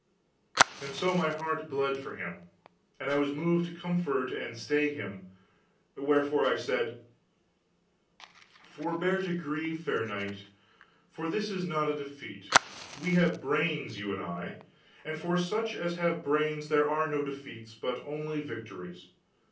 And so my heart bled for him, and I was moved to comfort and stay him. Wherefore I said: "Forbear to grieve, fair knight, for this is not a defeat. We have brains, you and I; and for such as have brains there are no defeats, but only victories.